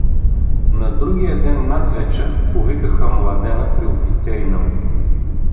На другия ден надвечер повикаха Младена при офицерина му.